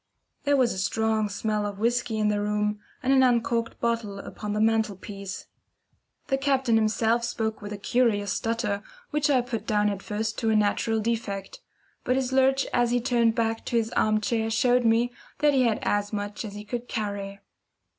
There was a strong smell of whisky in the room, and an uncorked bottle upon the mantelpiece. The captain himself spoke with a curious stutter, which I put down at first to a natural defect; but his lurch as he, turned back to his armchair showed me that he had had as much as he could carry.